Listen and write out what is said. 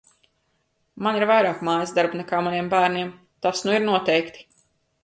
Man ir vairāk mājasdarbu nekā maniem bērniem, tas nu ir noteikti.